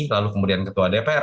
lalu kemudian ketua dpr